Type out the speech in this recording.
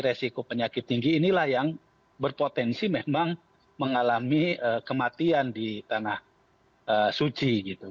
resiko penyakit tinggi inilah yang berpotensi memang mengalami kematian di tanah suci